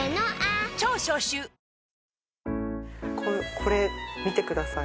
これ見てください